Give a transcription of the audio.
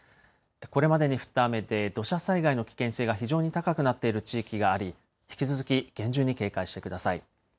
これまでに降った雨で土砂災害の危険性が非常に高くなっている地域があり、引き続き厳重に警戒してください。